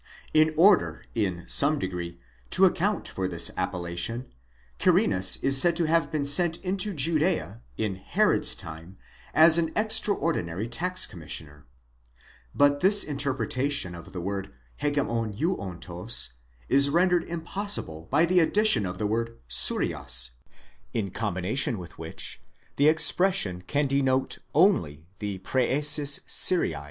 In order in some degree to account for this appellation, Quirinus is said to have been sent into Judea, in Herod's time, as an extraordinary tax commissioner*?; but this interpretation of the word ἡγεμονεύοντος is rendered impossible by the addition of the word Συρίας, in combination with which the expression can denote only the Preses Syria.